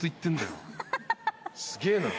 すげえな。